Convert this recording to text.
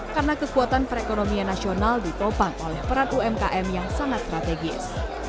karena kekuatan perekonomian nasional ditopang oleh perat umkm yang sangat strategis